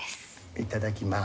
いただきます。